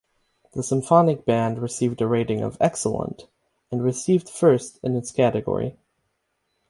The Symphonic Band received a rating of "excellent" and received first in its category.